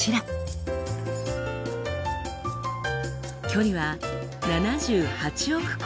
距離は７８億光年。